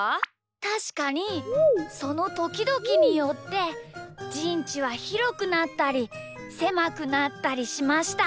たしかにそのときどきによってじんちはひろくなったりせまくなったりしました。